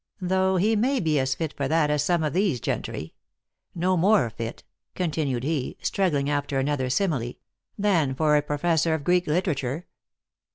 " Though he may be as fit for that as some of these gentry. ISTo more fit," continued he, struggling after another simile, " than for a professor of Greek literature."